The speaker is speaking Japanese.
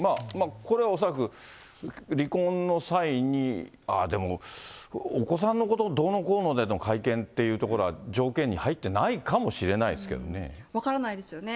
これは恐らく、離婚の際に、ああ、でも、お子さんのことどうのこうのでの会見っていうところは条件に入っ分からないですよね。